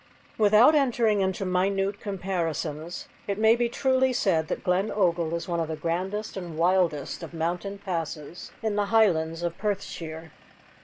Without entering into minute comparisons, it may be truly said that Glen Ogle is one of the grandest and wildest of mountain passes in the highlands of Perthshire.